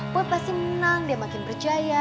boy pasti menang dia makin berjaya